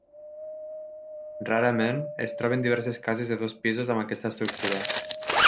Rarament, es troben diverses cases de dos pisos amb aquesta estructura.